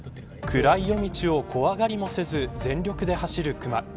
暗い夜道を怖がりもせず全力で走るクマ。